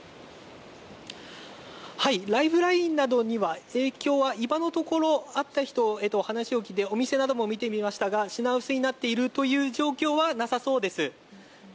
ライフラインなどには影響は今のところ、話を聞いて、お店なども見てみましたが、品薄になっているという状況はなさそうです。